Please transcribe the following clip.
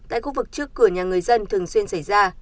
tại khu vực trước cửa nhà người dân thường xuyên xảy ra